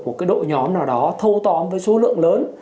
một cái đội nhóm nào đó thâu tóm với số lượng lớn